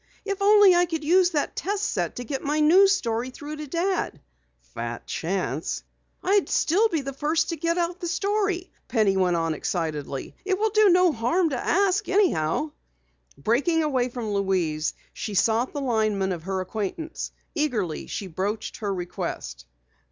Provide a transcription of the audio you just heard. "If only I could use that test set to get my news story through to Dad!" "Fat chance!" "I'd still be the first to send out the story!" Penny went on excitedly. "It will do no harm to ask anyhow." Breaking away from Louise, she sought the lineman of her acquaintance. Eagerly she broached her request.